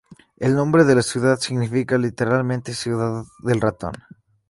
El nombre de la ciudad significa literalmente "ciudad del ratón.